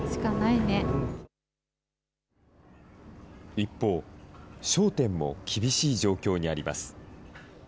一方、商店も厳しい状況にあります。